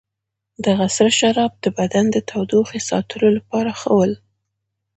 دغه سره شراب د بدن د تودوخې ساتلو لپاره ښه ول.